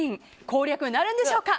攻略なるんでしょうか。